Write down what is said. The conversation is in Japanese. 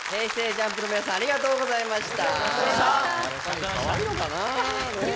ＪＵＭＰの皆さんありがとうございました。